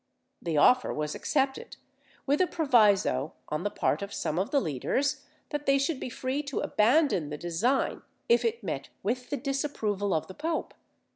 The offer was accepted, with a proviso on the part of some of the leaders, that they should be free to abandon the design, if it met with the disapproval of the pope.